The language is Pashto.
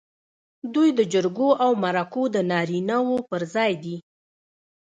دوی د جرګو او مرکو د نارینه و پر ځای دي.